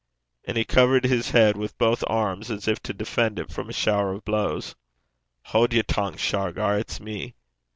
And he covered his head with both arms, as if to defend it from a shower of blows. 'Haud yer tongue, Shargar. It's me.'